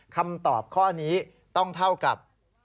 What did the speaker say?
คำตอบข้อนี้ต้องเท่ากับ